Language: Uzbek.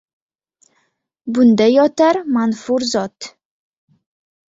«Bunda yotar manfur zot!